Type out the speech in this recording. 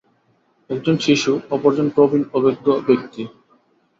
একজন শিশু, অপরজন প্রবীণ অভিজ্ঞ ব্যক্তি।